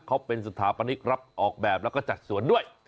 เขาเป็นสถาปนิกรับออกแบบแล้วก็จัดสวนด้วย